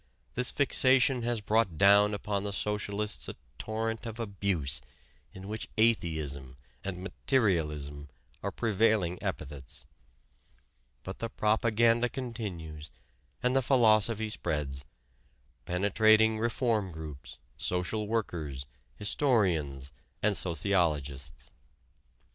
This fixation has brought down upon the socialists a torrent of abuse in which "atheism" and "materialism" are prevailing epithets. But the propaganda continues and the philosophy spreads, penetrating reform groups, social workers, historians, and sociologists.